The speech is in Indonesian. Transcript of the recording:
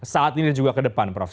saat ini dan juga ke depan prof